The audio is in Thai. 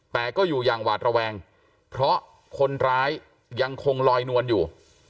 แต่ก็อยู่อย่างหวาดระแวงเพราะคนร้ายยังคงลอยนวลอยู่